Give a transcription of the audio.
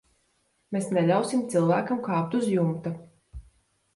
Mēs neļausim cilvēkam kāpt uz jumta.